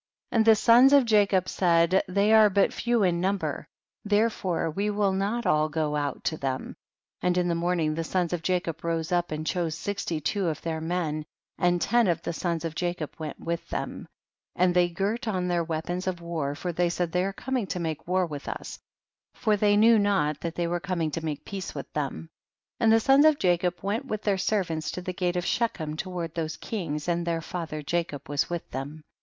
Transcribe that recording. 36. And the sons of Jacob said, they are but few in number, there fore we will not all go out to them ; and in the morning the sons of Jacob rose up and chose sixty two of their men, and ten of the sons of Jacob went with them ; and they girt on their weapons of war, for they said, they are coming to make war with us, for they knew not that they were coming to make peace with them. 37. And the sons of Jacob went ■with their servants to the gate of She chem, toward those kings, and their father Jacob was with them.